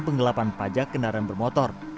penggelapan pajak kendaraan bermotor